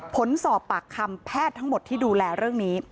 ผลสอบปากคำแพทย์ทั้งหมดที่ดูแลเรื่องนี้